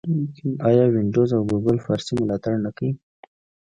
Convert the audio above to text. آیا وینډوز او ګوګل فارسي ملاتړ نه کوي؟